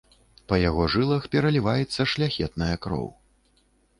Па яго жылах пераліваецца шляхетная кроў.